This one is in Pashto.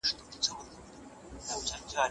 استازي د بېکارۍ ستونزه مطرح کوي.